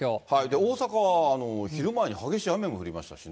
大阪は昼前に激しい雨も降りましたしね。